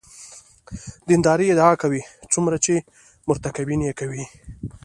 دیندارۍ ادعا کوي څومره چې مرتکبین یې کوي.